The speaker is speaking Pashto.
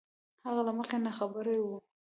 هغه له مخکې نه خبر وو